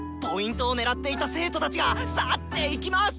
Ｐを狙っていた生徒たちが去っていきます！